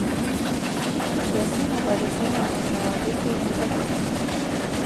سیاسي مبارزینو او حوادثو مځکه ده.